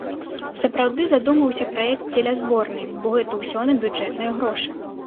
Сапраўды задумваўся праект дзеля зборнай, бо гэта ўсё на бюджэтныя грошы.